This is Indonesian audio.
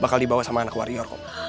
bakal dibawa sama anak warrior kok